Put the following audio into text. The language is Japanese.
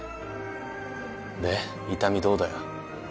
で痛みどうだよ？